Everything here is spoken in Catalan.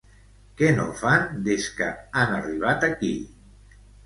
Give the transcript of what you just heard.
Què no fan des que han arribat aquí?